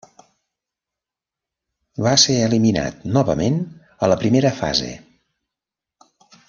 Va ser eliminat novament a la primera fase.